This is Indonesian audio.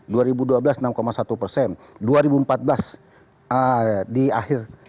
dua ribu empat belas di akhir jabatannya pak sbe masih lima enam persen